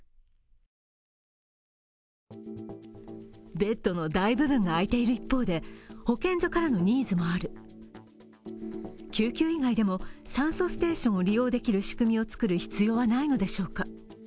ベッドの大部分が空いている一方で保健所からのニーズもある救急以外でも酸素ステーションを利用できる仕組みを作る必要はないのでしょうか。